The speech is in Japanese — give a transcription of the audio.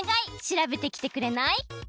しらべてきてくれない？